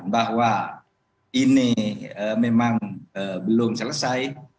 bahwa ini memang belum selesai